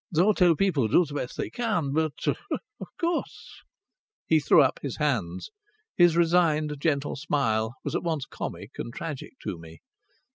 The hotel people do the best they can, but of course " He threw up his hands. His resigned, gentle smile was at once comic and tragic to me.